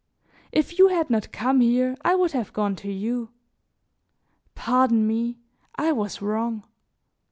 If you had not come here, I would have gone to you. Pardon me, I was wrong.